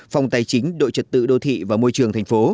phòng tài chính đội trật tự đô thị và môi trường thành phố